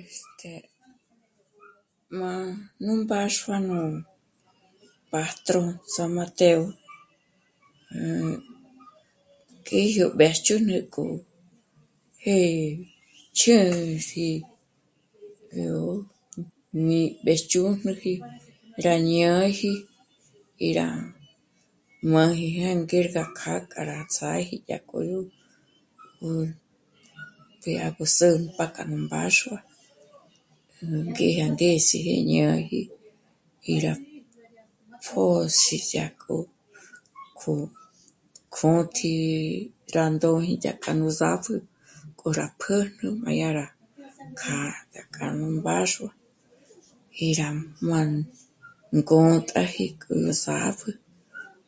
Este... m'a... nú mbáxua nú patrón San Mateo... kjé yó mbéchün'ü k'o jë́'ë ch'ë̂'ëji yó ñímbéch'üjnüji rá nǎji y rá... m'aji ngérna kjá'a kja rá ts'áji yá kjodyó porque gú sámp'a kja nú mbáxua ngé ná ndési ngé ñǎji y rá pjö̌s'i dya rá kjṓ... kjṓ... kjṓ'ōtji rá ndóji dyájk'a rú zàpjü kjo rá pä̌jn'ä m'a dya rá kjá... dya kjâ'a nú mbáxua y rá m'á'a ngṓntaji k'u yó zàpjü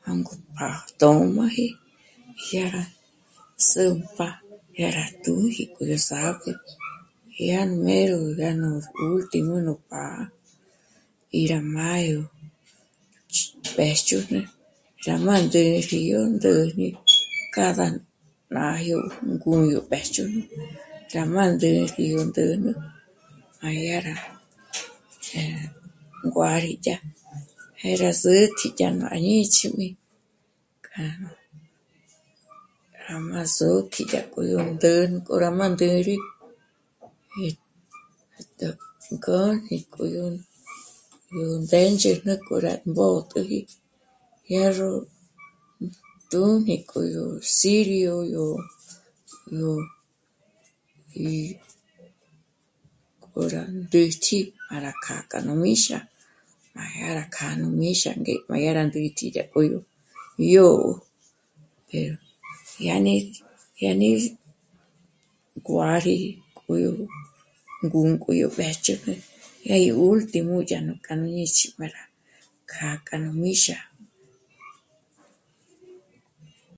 jângo p'a tjṑmaji jyá rá zǚmp'a dyá rá túji k'o yó zàpjü, dyá m'éro yá nú 'ùtji nú pá'a í rá m'ádyo mbéjch'ünü, dya m'ándéji 'ä̀ndä̂jnä cada nájyo ngúdyo mbéjch'ünü dya m'á ndéji yó ndä̂jnä m'a dya rá nguâridya jë̀'ë rá zètji para ñíts'imi k'a... rá m'a zòk'i k'o ró ndä̂jnä k'o dya má ndë̌ri, ngé nú kjo yó ndë̌ndzhi k'o rá mbò'tpjüji dya rró tùjni k'o yó cirio yó... yó... ngóra juénchi para kjâ'a nú míxa, m'a dya rá kja nú míxa, m'a dyá ra mítji dya k'o rú mijyo pero dyané... dyané... nguâri k'o yó ngûnk'u yó mbéjch'ünü dya gí último dya nú k'a nú ñits'imi kja... kja nú míxa